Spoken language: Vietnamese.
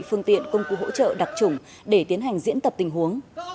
phương tiện công cụ hỗ trợ đặc trùng để tiến hành diễn tập tình huống